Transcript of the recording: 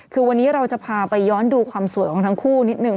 คือวันนี้เราจะพาไปย้อนดูความสวยของทั้งคู่นิดนึง